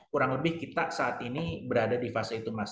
kurang lebih kita saat ini berada di fase itu mas